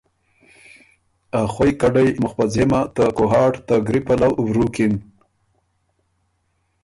ا خوئ کډئ مُخ په ځېمه ته کوهاټ ته ګری پلؤ ورُوکِن۔